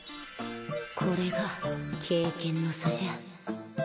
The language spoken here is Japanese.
これが経験の差じゃ